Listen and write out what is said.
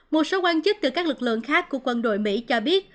một số quan chức từ các lực lượng khác của quân đội mỹ cho biết